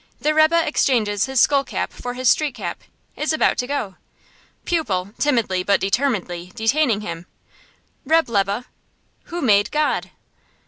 The rebbe exchanges his skull cap for his street cap, is about to go. Pupil, timidly, but determinedly, detaining him: "Reb' Lebe, who made God?"